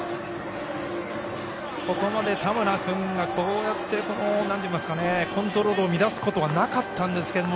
ここまで田村君がコントロールを乱すことはなかったんですけれども。